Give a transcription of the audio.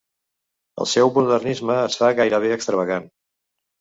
El seu modernisme es fa gairebé extravagant.